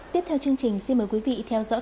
tiếp theo chương trình xin mời quý vị theo dõi